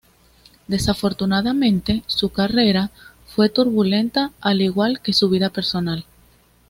Desafortunadamente, su carrera fue turbulenta, al igual que su vida personal.